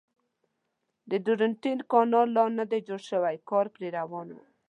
د درونټې کانال لا نه و جوړ شوی کار پرې روان و.